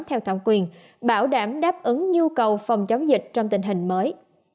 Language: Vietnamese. theo thẩm quyền bảo đảm đáp ứng nhu cầu phòng chống dịch trong tình hình mới